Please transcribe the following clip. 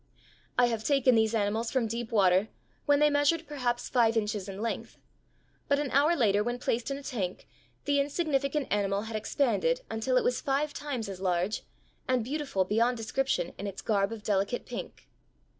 I have taken these animals from deep water when they measured perhaps five inches in length; but an hour later when placed in a tank the insignificant animal had expanded until it was five times as large, and beautiful beyond description in its garb of delicate pink.